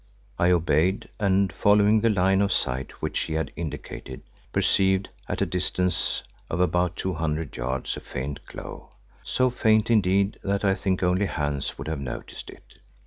I obeyed and following the line of sight which he had indicated, perceived, at a distance of about two hundred yards a faint glow, so faint indeed that I think only Hans would have noticed it.